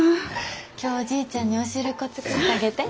今日おじいちゃんにお汁粉作ったげて。